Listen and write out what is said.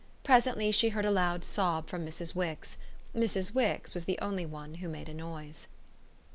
Presently she heard a loud sob from Mrs. Wix Mrs. Wix was the only one who made a noise.